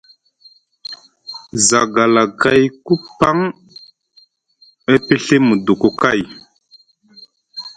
Zagalakayku paŋ e pɵi muduku kay.